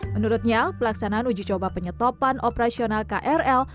menurutnya pelaksanaan uji coba penyetopan operasional krl